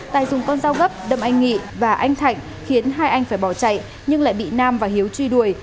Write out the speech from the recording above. tài dùng con dao gấp đâm anh nghị và anh thạnh khiến hai anh phải bỏ chạy nhưng lại bị nam và hiếu truy đuổi